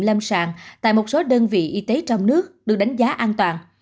lâm sàng tại một số đơn vị y tế trong nước được đánh giá an toàn